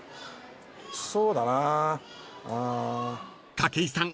［筧さん